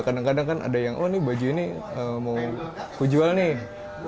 kadang kadang kan ada yang oh ini baju ini mau ku jual nih